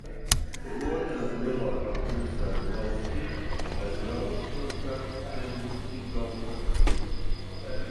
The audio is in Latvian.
Otra lielākā pilsēta valstī aiz galvaspilsētas Tegusigalpas.